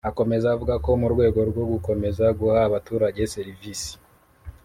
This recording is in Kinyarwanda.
Akomeza avuga ko mu rwego rwo gukomeza guha abaturage serivisi